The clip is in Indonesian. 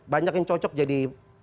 banyak yang cocok jadi